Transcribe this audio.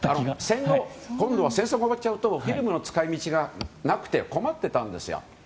戦争が終わっちゃうとフィルムの使い道がなくて困っていたんですよ。